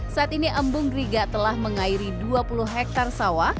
saat ini embung griga telah mengairi dua puluh hektare sawah